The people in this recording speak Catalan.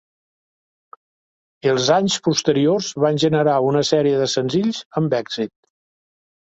Els anys posteriors van generar una sèrie de senzills amb èxit.